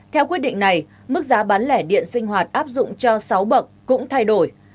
theo quyết định này mức giá bán lẻ điện sinh hoạt áp dụng cho sáu bậc cũng thay đổi